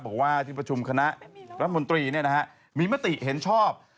บอกว่าที่ประชุมคณะรัฐมนตรีมีมติเห็นชอบ